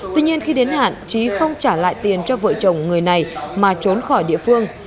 tuy nhiên khi đến hạn trí không trả lại tiền cho vợ chồng người này mà trốn khỏi địa phương